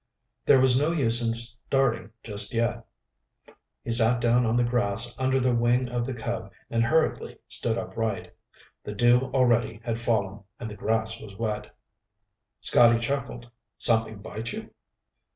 There was no use in starting just yet. He sat down on the grass under the wing of the Cub and hurriedly stood up again. The dew already had fallen and the grass was wet. Scotty chuckled. "Something bite you?"